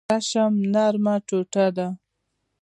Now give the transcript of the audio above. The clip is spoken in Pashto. ریشم نرمه ټوټه ده